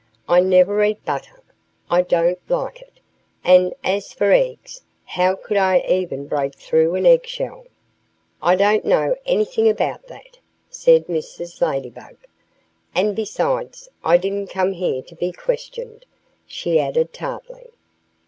"I never eat butter. I don't like it. And as for eggs, how could I ever break through an egg shell?" "I don't know anything about that," said Mrs. Ladybug. "And besides, I didn't come here to be questioned," she added tartly.